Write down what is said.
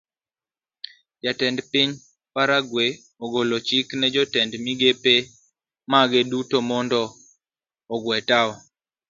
Jatend piny paraguay ogolo chik ne jotend migepe mage duto mondo ogue tao.